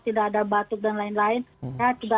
tidak ada batuk dan lain lain ya tidak